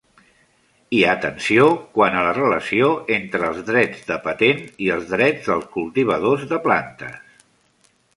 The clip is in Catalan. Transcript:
Hi ha tensió quant a la relació entre els drets de patent i els drets dels cultivadors de plantes.